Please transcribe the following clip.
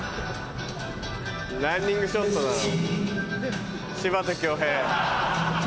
『ランニング・ショット』だろ。